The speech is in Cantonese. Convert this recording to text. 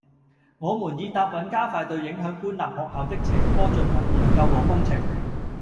我們已答允加快對影響官立學校的斜坡進行研究和工程